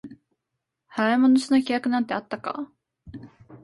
払い戻しの規約なんてあったか？